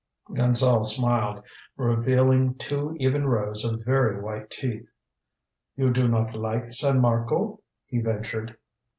Gonzale smiled, revealing two even rows of very white teeth. "You do not like San Marco?" he ventured.